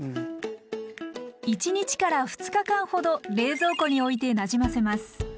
１日から２日間ほど冷蔵庫においてなじませます。